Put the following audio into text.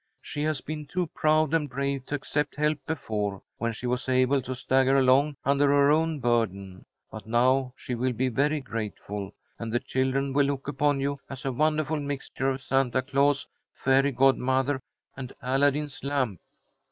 She has been too proud and brave to accept help before, when she was able to stagger along under her own burden, but now she will be very grateful. And the children will look upon you as a wonderful mixture of Santa Claus, fairy godmother, and Aladdin's lamp."